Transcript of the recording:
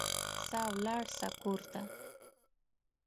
ځه ولاړ سه کور ته